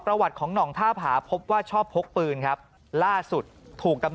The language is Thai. ปี๖๕วันเกิดปี๖๔ไปร่วมงานเช่นเดียวกัน